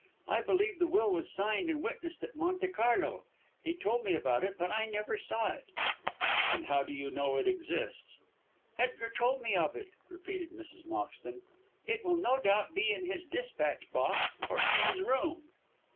I believe the will was signed and witnessed at Monte Carlo. He told me about it, but I never saw it." "Then how do you know it exists?" "Edgar told me of it," repeated Mrs. Moxton. "It will no doubt be in his despatch box, or in this room."